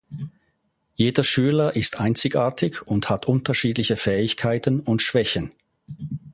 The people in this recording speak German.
Jeder Schüler ist einzigartig und hat unterschiedliche Fähigkeiten und Schwächen.